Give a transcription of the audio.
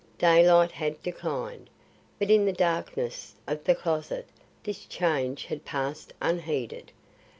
Daylight had declined, but in the darkness of the closet this change had passed unheeded.